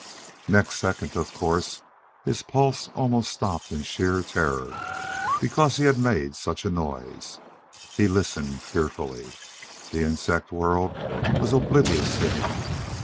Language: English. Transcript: Next second, of course, his pulse almost stopped in sheer terror because he had made such a noise. He listened fearfully. The insect world was oblivious to him.